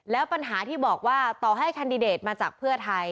แล้วปัญหาที่บอกว่าต่อให้แคนดิเดตมาจากเพื่อไทย